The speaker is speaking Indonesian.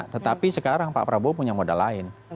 tetapi sekarang pak prabowo punya modal lain